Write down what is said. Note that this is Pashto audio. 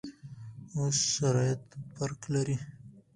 اوس شرایط فرق لري.